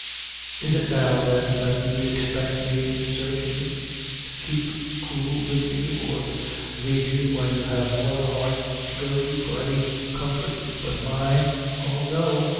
Is it now, then, that you'd expect me to desert you? to keep cool with you, or to lave you when you have no other heart to go to for any comfort but mine? Oh, no!